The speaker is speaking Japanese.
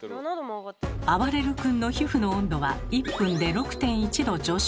あばれる君の皮膚の温度は１分で６．１℃上昇。